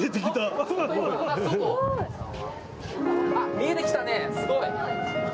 見えてきたね、すごい。